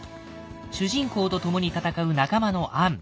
主人公とともに戦う仲間の杏。